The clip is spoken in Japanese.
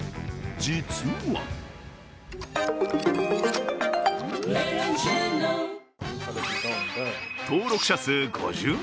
実は登録者数５０万